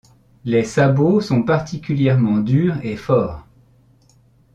Les sabots sont particulièrement durs et forts.